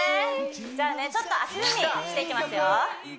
じゃあねちょっと足踏みしていきますよ